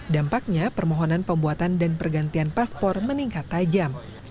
dampaknya permohonan pembuatan dan pergantian paspor meningkat tajam